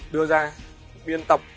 đưa ra biên tập